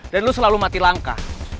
dan lu selalu mati langka